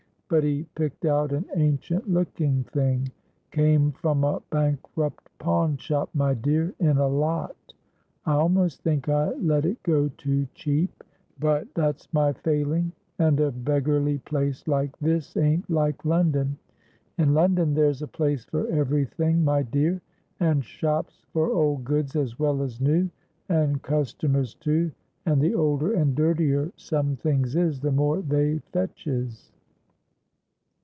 But he picked out an ancient looking thing,—came from a bankrupt pawnshop, my dear, in a lot. I almost think I let it go too cheap; but that's my failing. And a beggarly place like this ain't like London. In London there's a place for every thing, my dear, and shops for old goods as well as new, and customers too; and the older and dirtier some things is, the more they fetches."